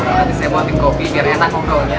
nanti saya buatin kopi biar enak kok doy